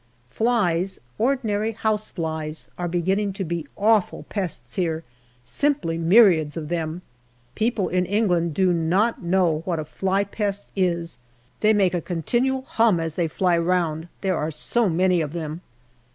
Flies, ordinary houseflies, are beginning to be awful pests here, simply myriads of them. People in England do not know what a fly pest is. They make a continual hum as they fly round, there are so many of them.